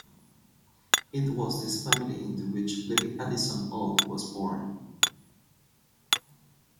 It was this family into which Levi Addison Ault was born.